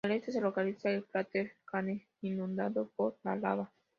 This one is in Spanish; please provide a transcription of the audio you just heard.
Al este se localiza el cráter Kane, inundado por la lava.